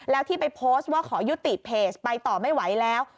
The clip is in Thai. แล้วที่ไปโพสต์ว่าขอยุติเพจไปต่อไม่ไหวแล้ว